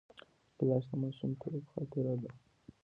ګیلاس د ماشومتوب خاطره ده.